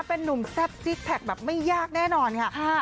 เป็นนุ่มแซ่บซิกแพคแบบไม่ยากแน่นอนค่ะ